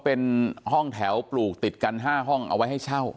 เป็นห้องแถวปลูกติดกัน๕ห้องเอาไว้ให้เช่า